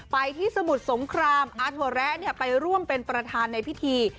ไปที่สมุทรสงครามอาถั่วแระไปร่วมเป็นประธานในพิธี